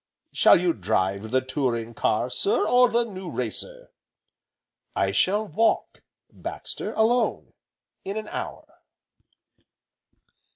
"Shall you drive the touring car, sir, or the new racer?" "I shall walk, Baxter, alone, in an hour."